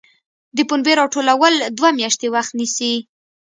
د پنبې راټولول دوه میاشتې وخت نیسي.